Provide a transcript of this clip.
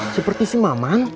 seperti si mamang